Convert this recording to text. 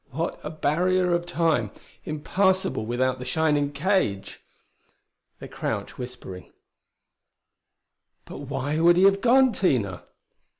What a barrier of Time, impassable without the shining cage! They crouched, whispering. "But why would he have gone, Tina?"